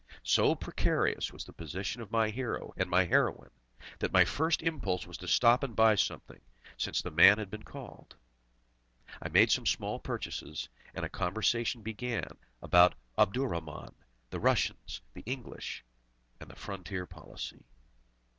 So precarious was the position of my hero and my heroine, that my first impulse was to stop and buy something, since the man had been called. I made some small purchases, and a conversation began about Abdurrahman, the Russians, she English, and the Frontier Policy.